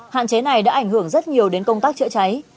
hạn chế này đã ảnh hưởng rất nhiều đến công tác chữa cháy